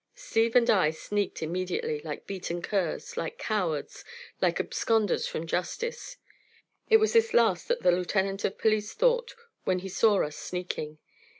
Steve and I sneaked immediately, like beaten curs, like cowards, like absconders from justice. It was this last that the lieutenant of police thought when he saw us sneaking.